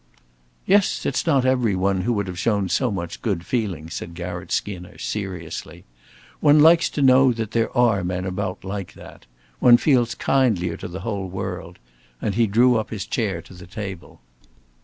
"Yes. It's not every one who would have shown so much good feeling," said Garratt Skinner, seriously. "One likes to know that there are men about like that. One feels kindlier to the whole world"; and he drew up his chair to the table.